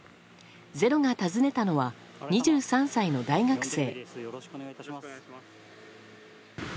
「ｚｅｒｏ」が訪ねたのは２３歳の大学生。